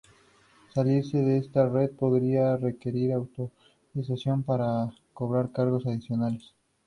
Salirse de esa red podría requerir autorización para cobrar cargos adicionales.